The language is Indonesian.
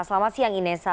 selamat siang inesa